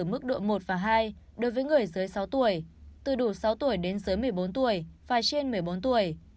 ở mức độ một và hai đối với người dưới sáu tuổi từ đủ sáu tuổi đến dưới một mươi bốn tuổi và trên một mươi bốn tuổi